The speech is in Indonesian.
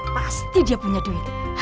pasti dia punya duit